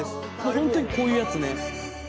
本当にこういうやつね。